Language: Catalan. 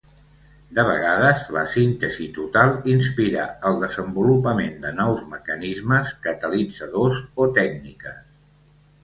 De vegades la síntesi total inspira el desenvolupament de nous mecanismes, catalitzadors o tècniques.